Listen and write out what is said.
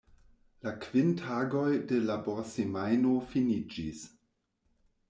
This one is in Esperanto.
La kvin tagoj de laborsemajno finiĝis.